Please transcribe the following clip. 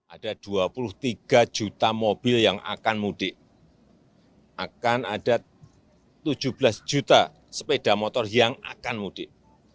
ada dua puluh tiga juta mobil yang akan mudik akan ada tujuh belas juta sepeda motor yang akan mudik